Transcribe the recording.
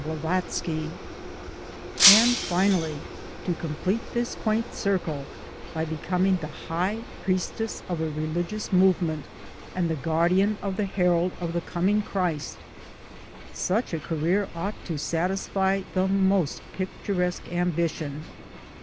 Blavatsky ; and finally to complete this quaint circle by becoming the high priestess of a religious movement and the guardian of the herald of the coming Christ such a career ought to satisfy the most picturesque ambi tion.